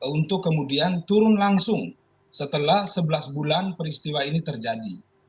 untuk kemudian turun langsung setelah sebelas bulan peristiwa ini terjadi